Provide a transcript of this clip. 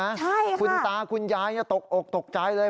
ใช่ค่ะคุณตาคุณยายตกอกตกใจเลย